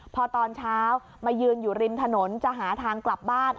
พอตอนเช้ามายืนอยู่ริมถนนจะหาทางกลับบ้าน